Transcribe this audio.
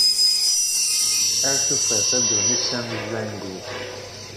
Ar tufat, a ddunit tamezzangut!